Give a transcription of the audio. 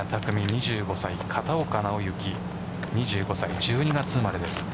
２５歳、片岡尚之２５歳、１２月生まれです。